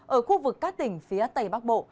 ở khu vực các tỉnh phía tây bắc bộ